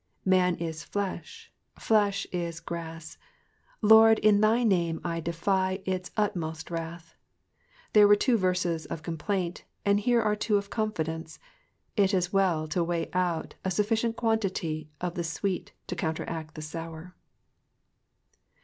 Man is flesh, flesh is grass— Lord, in thy name I defy its utmost wrath. There were two verses of complaint, and here are two of confidence ; it is well to weigh out a sofHcient quantity of the sweet to counteract the sour.